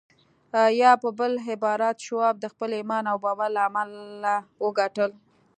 يا په بل عبارت شواب د خپل ايمان او باور له امله وګټل.